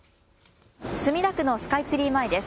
墨田区のスカイツリー前です。